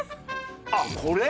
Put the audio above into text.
あっこれ？